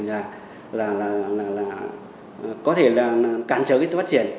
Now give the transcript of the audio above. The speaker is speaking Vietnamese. là có thể là cản trở cái sự phát triển